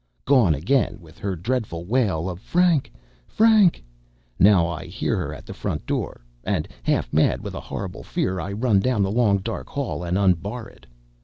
Gone again, with her dreadful wail of "Frank! Frank!" Now I hear her at the front door, and, half mad with a horrible fear, I run down the long, dark hall and unbar it.